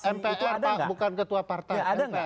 pak mpr bukan ketua partai